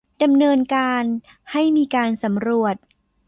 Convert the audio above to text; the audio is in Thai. ดำเนินการให้มีการสำรวจ